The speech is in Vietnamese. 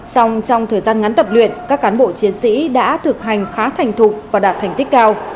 xong trong thời gian ngắn tập luyện các cán bộ chiến sĩ đã thực hành khá thành thụ và đạt thành tích cao